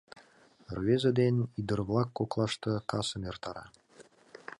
Рвезе ден ӱдыр-влак коклаште касым эртара.